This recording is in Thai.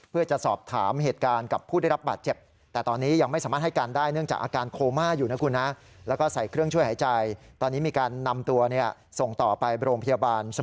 เพื่อจะสอบถามเหตุการณ์กับผู้ได้รับบาดเจ็บ